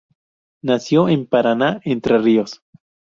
Nació en Paraná, Entre Ríos.